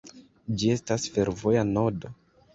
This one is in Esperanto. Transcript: Ĝi estas fervoja nodo.